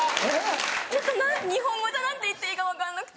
ちょっと日本語じゃ何て言っていいか分かんなくて。